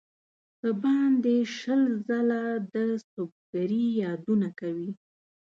څه باندې شل ځله د سُبکري یادونه کوي.